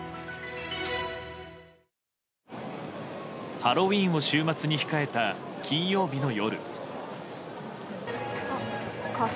ハロウィーンを週末に控えた金曜日の夜。